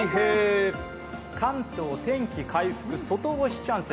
関東天気回復、外干しチャンス。